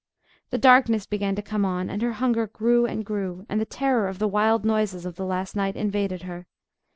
The darkness began to come on, and her hunger grew and grew, and the terror of the wild noises of the last night invaded her.